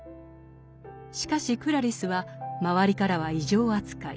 しかしクラリスは周りからは異常扱い。